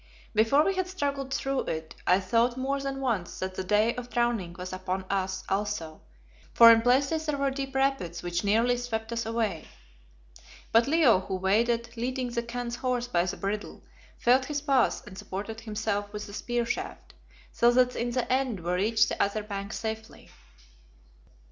Before we had struggled through it I thought more than once that the day of drowning was upon us also, for in places there were deep rapids which nearly swept us away. But Leo, who waded, leading the Khan's horse by the bridle, felt his path and supported himself with the spear shaft, so that in the end we reached the other bank safely.